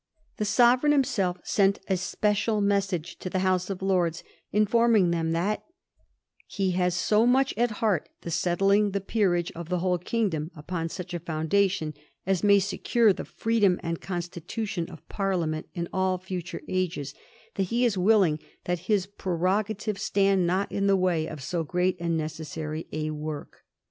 The Sovereign himself sent a special message to the House of Lords, informing them that * he has so much at heart the settling the Peerage of the whole kingdom upon such a foundation as may secure the freedom and constitution of Parliament in all fixture ages, that he is willing that his prerogative stand not in the way of so great and necessary a work.'